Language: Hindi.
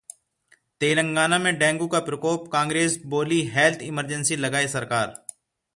तेलंगाना में डेंगू का प्रकोप, कांग्रेस बोली- हेल्थ इमरजेंसी लगाए सरकार